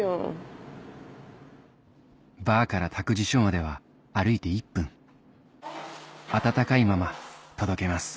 バーから託児所までは歩いて１分温かいまま届けます